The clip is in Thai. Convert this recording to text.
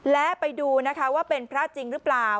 และไปดูนะคะว่าเป็นพระจริงหรือเปล่า